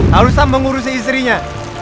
harusnya mengurusi istrinya